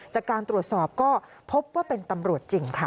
จากการตรวจสอบก็พบว่าเป็นตำรวจจริงค่ะ